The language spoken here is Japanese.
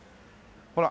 ほら。